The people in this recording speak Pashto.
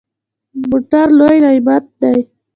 موټر لوی نعمت دی.